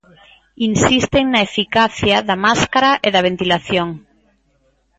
Insisten na eficacia da máscara e da ventilación.